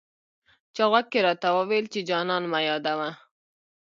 چا غوږ کي راته وويل، چي جانان مه يادوه